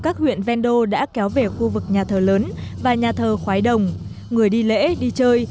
các huyện vendo đã kéo về khu vực nhà thờ lớn và nhà thờ khói đồng người đi lễ đi chơi